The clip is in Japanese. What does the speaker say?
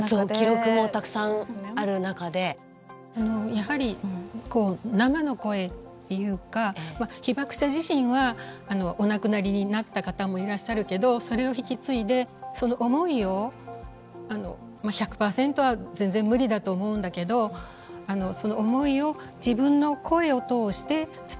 やはり生の声っていうか被爆者自身はお亡くなりになった方もいらっしゃるけどそれを引き継いでその思いを１００％は全然無理だと思うんだけどその思いを自分の声を通して伝える。